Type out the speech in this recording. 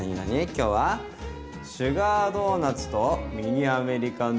今日は「シュガードーナツとミニアメリカンドッグ！」